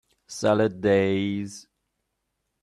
Salad days